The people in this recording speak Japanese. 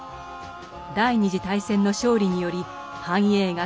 第二次大戦の勝利により繁栄が加速。